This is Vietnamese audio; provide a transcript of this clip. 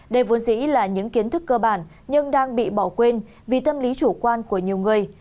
đây vốn dĩ là những kiến thức cơ bản nhưng đang bị bỏ quên vì tâm lý chủ quan của nhiều người